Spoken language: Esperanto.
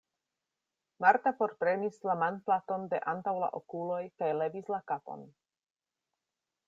Marta forprenis la manplaton de antaŭ la okuloj kaj levis la kapon.